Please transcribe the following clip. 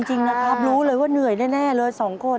จริงนะครับรู้เลยว่าเหนื่อยแน่เลย๒คน